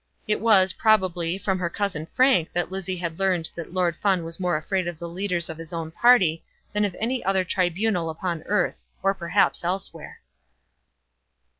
It was, probably, from her cousin Frank that Lizzie had learned that Lord Fawn was more afraid of the leaders of his own party than of any other tribunal upon earth, or perhaps elsewhere.